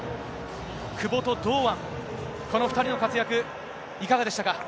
久保と堂安、この２人の活躍、いかがでしたか？